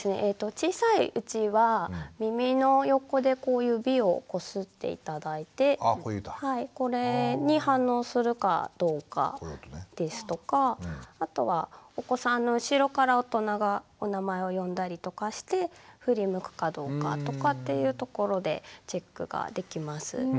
小さいうちは耳の横でこう指をこすって頂いてこれに反応するかどうかですとかあとはお子さんの後ろから大人がお名前を呼んだりとかして振り向くかどうかとかっていうところでチェックができます。